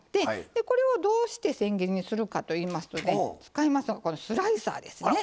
でこれをどうしてせん切りにするかといいますとね使いますのがこのスライサーですね。